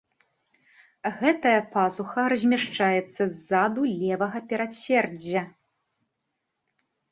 Гэтая пазуха размяшчаецца ззаду левага перадсэрдзя.